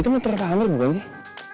itu menteri pak hamir bukan sih